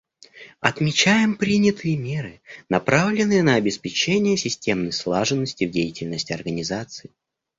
Отмечаем принятые меры, направленные на обеспечение системной слаженности в деятельности Организации.